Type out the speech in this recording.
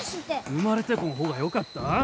生まれてこん方がよかった？